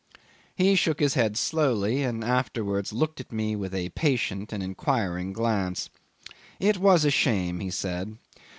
'He shook his head slowly, and afterwards looked at me with a patient and inquiring glance. It was a shame, he said.